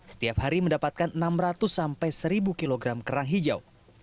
setiap hari mendapatkan enam ratus sampai seribu kilogram kerang hijau